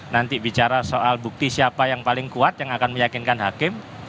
nanti bicara soal bukti siapa yang paling kuat yang akan meyakinkan hakim